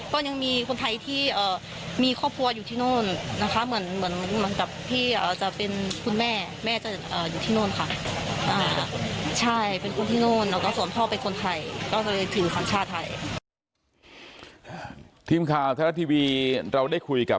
ก็ยังมีคนไทยที่มีครอบครัวอยู่ที่นู่นนะคะ